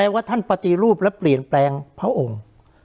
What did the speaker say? ว่าท่านปฏิรูปและเปลี่ยนแปลงพระองค์